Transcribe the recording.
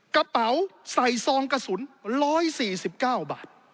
กระเป๋าใส่ซองกระสุน๑๔๙บาท